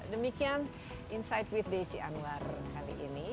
demikian insight with desi anwar kali ini